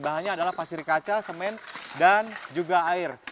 bahannya adalah pasir kaca semen dan juga air